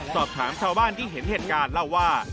สอบถามชาวบ้านที่เห็นเหตุการณ์เล่าว่า